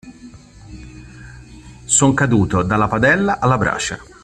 Son caduto dalla padella alla brace.